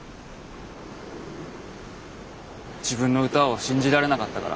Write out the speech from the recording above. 自分の歌を信じられなかったから。